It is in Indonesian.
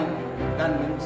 dan berpengalaman lainnya